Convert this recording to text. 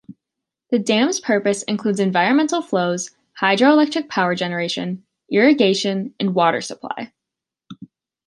The dam's purpose includes environmental flows, hydro-electric power generation, irrigation, and water supply.